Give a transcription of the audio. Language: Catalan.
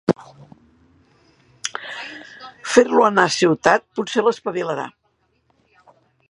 Fer-lo anar a ciutat potser l'espavilarà.